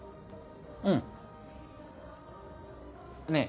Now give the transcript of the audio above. うんねえ